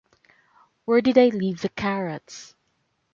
Where did I leave the carrots?